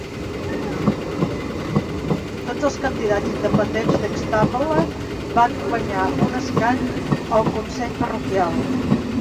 Tots els candidats independents de Hextable van guanyar un escany al consell parroquial.